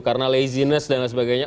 karena laziness dan sebagainya